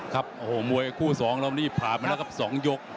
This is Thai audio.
ครับโอ้โหมวยคู่สองแล้ววันนี้ผ่านมาแล้วกับสองยก